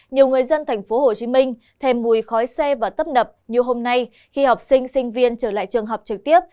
nhiều người dân tp hcm thêm mùi khói xe và tấp nập như hôm nay khi học sinh sinh viên trở lại trường học trực tiếp